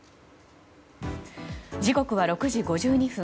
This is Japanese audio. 時刻は６時５２分。